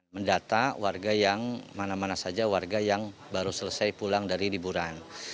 mendata warga yang mana mana saja warga yang baru selesai pulang dari liburan